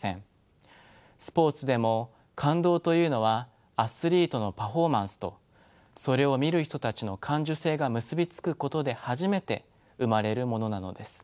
スポーツでも「感動」というのはアスリートのパフォーマンスとそれを見る人たちの感受性が結び付くことで初めて生まれるものなのです。